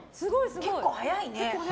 結構速いね。